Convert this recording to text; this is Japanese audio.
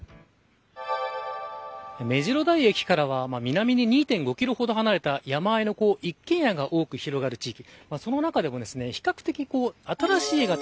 めじろ台駅からは南に２．５キロほど離れた山あいの一軒家が多く広がる地域。